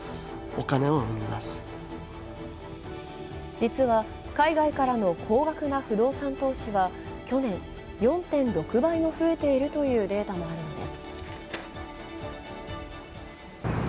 実は、海外からの高額な不動産投資は去年、４．６倍も増えているというデータもあるのです。